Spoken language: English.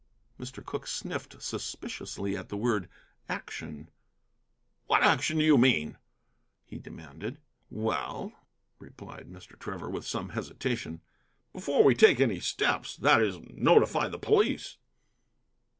Mr. Cooke sniffed suspiciously at the word "action." "What action do you mean?" he demanded. "Well," replied Mr. Trevor, with some hesitation, "before we take any steps, that is, notify the police."